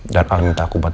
dan al minta aku bantu